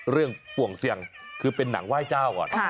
เรื่องปว่งเสี่ยงคือเป็นหนังไหว้เจ้าอ่ะ